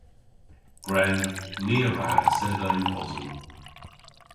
Gwren. Ni a wra esedha yn kosel.